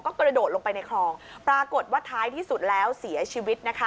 กระโดดลงไปในคลองปรากฏว่าท้ายที่สุดแล้วเสียชีวิตนะคะ